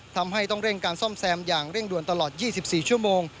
ทำให้ต้องเร่งการซ่อมแซมอย่างเร่งด่วนตลอด๒๔ชั่วโมง